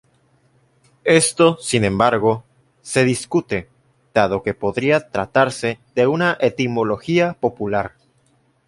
Esto, sin embargo, se discute, dado que podría tratarse de una etimología popular.